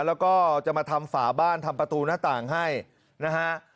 แล้วก็จะมาทำฝาบ้านทำประตูหน้าต่างให้นะฮะ